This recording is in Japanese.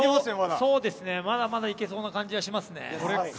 そうですね、まだまだいけそうな感じはしますね。